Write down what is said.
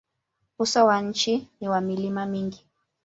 Uso wa nchi ni wa milima mingi.